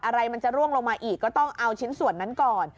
อะไรมันจะร่วงลงมาอีกก็ต้องเอาชิ้นส่วนนั้นก่อน